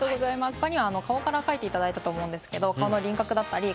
ほかには顔から描いていただいたと思うんですけど顔の。